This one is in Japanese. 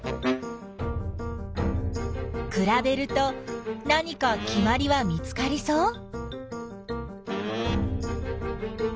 くらべると何かきまりは見つかりそう？